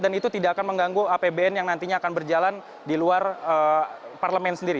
dan itu tidak akan mengganggu apbn yang nantinya akan berjalan di luar parlemen sendiri